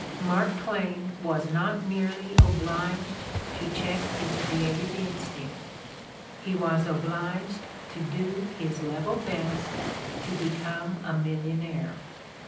Mark Twain was not merely obliged to check his creative instinct; he was obliged to do his level best to become a millionaire.